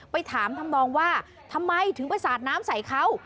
ไปถามทำนองว่าทำไมถึงไปสาดน้ำใส่เขา